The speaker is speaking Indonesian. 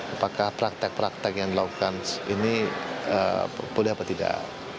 apakah praktek praktek yang dilakukan ini boleh apa tidak